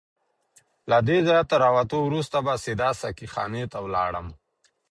له دې ځایه تر راوتو وروسته به سیده ساقي خانې ته ولاړم.